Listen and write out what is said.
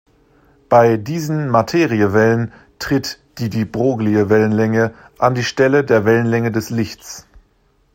Bei diesen Materiewellen tritt die De-Broglie-Wellenlänge an die Stelle der Wellenlänge des Lichts.